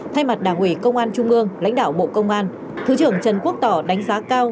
thay mặt đảng ủy công an trung ương lãnh đạo bộ công an thứ trưởng trần quốc tỏ đánh giá cao